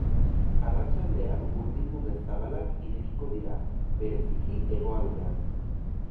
Arratsaldean urdingune zabalak irekiko dira, bereziki hegoaldean.